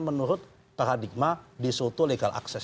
menurut paradigma desoto legal access